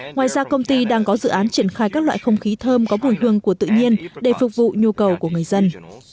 ngoài ra công ty đang có dự án triển khai các loại không khí thơm có bùi hương của tự nhiên để phục vụ nhu cầu của người dân